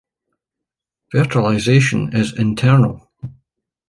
Fertilization is internal.